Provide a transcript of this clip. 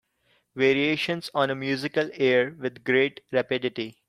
Variations on a musical air With great rapidity